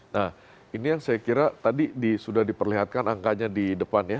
nah ini yang saya kira tadi sudah diperlihatkan angkanya di depan ya